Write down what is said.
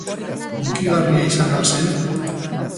Hunkigarria izan al zen?